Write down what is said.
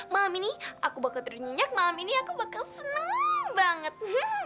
malam ini aku bakal ternyak malam ini aku bakal seneng banget